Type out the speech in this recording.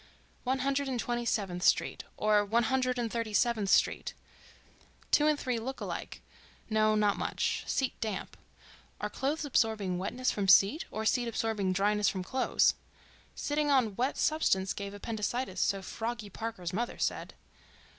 One Hundred and Twenty seventh Street—or One Hundred and Thirty seventh Street.... Two and three look alike—no, not much. Seat damp... are clothes absorbing wetness from seat, or seat absorbing dryness from clothes?... Sitting on wet substance gave appendicitis, so Froggy Parker's mother said.